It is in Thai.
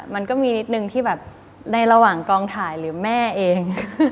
มันก็มีนิดนึงที่แบบในระหว่างกองถ่ายหรือแม่เอง